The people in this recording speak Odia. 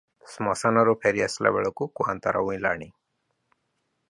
ଶ୍ମଶାନରୁ ଫେରି ଆସିବା ବେଳକୁ କୁଆଁତାରା ଉଇଁଲାଣି ।